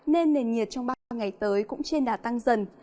nên nền nhiệt trong ba ba ngày tới cũng trên đà tăng dần